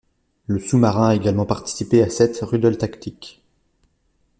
Le sous-marin a également participé à sept rudeltaktik.